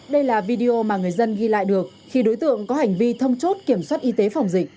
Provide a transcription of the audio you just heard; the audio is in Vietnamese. đây là video mà người dân ghi lại được khi đối tượng có hành vi thông chốt kiểm soát y tế phòng dịch